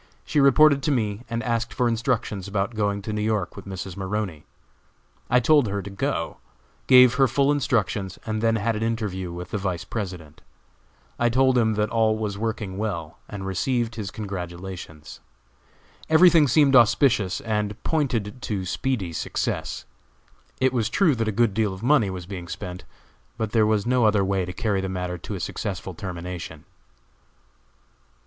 She reported to me, and asked for instructions about going to New York with Mrs. Maroney. I told her to go; gave her full instructions, and then had an interview with the Vice President. I told him that all was working well, and received his congratulations. Everything seemed auspicious, and pointed to speedy success. It was true that a good deal of money was being spent, but there was no other way to carry the matter to a successful termination.